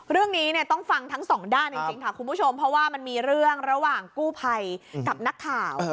เรื่องนี้เนี่ยต้องฟังทั้งสองด้านจริงค่ะคุณผู้ชมเพราะว่ามันมีเรื่องระหว่างกู้ภัยกับนักข่าว